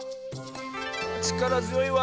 ちからづよいわ。